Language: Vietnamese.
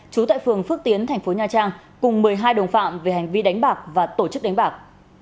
trú tại phường phước tiến thành phố nha trang cùng một mươi hai đồng phạm về hành vi đánh bạc và tổ chức đánh bạc